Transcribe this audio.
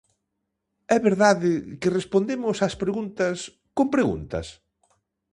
É verdade que respondemos ás preguntas con preguntas?